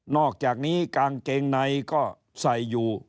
อกจากนี้กางเกงในก็ใส่อยู่